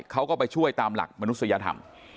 เขาก็ไปช่วยตามหลักมนุษยธรรม